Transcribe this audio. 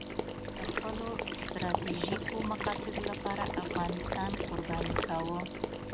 د خپلو ستراتیژیکو مقاصدو لپاره افغانستان قرباني کاوه.